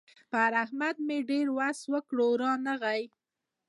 پر احمد مې ډېر وس وکړ؛ رانغی.